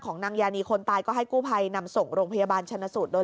นางยานีคนตายก็ให้กู้ภัยนำส่งโรงพยาบาลชนสูตรโดย